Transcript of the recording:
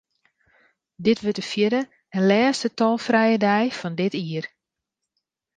Dit wurdt de fjirde en lêste tolfrije dei fan dit jier.